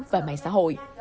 và mạng xã hội